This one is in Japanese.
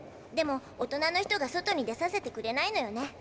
でも大人のひとが外に出させてくれないのよね。